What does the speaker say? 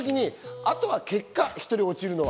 あとは結果、１人落ちるのは。